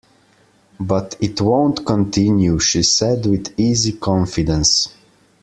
But it won't continue, she said with easy confidence.